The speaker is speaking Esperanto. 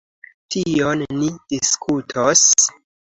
Tion ni diskutos.